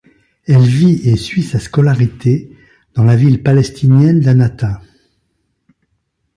Elle vit et suit sa scolarité dans la ville palestinienne d'Anata.